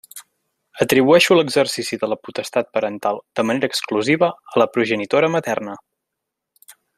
Atribueixo l'exercici de la potestat parental de manera exclusiva a la progenitora materna.